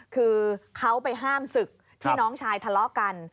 คือเขาไปห้ามศึกที่น้องชายทะเลาะกัน